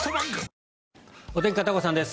お天気、片岡さんです。